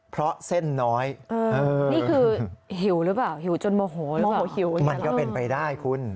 เพราะเส้นน้อยนี่คือหิวหรือเปล่าหิวจนโมโหโมโหหิวมันก็เป็นไปได้คุณ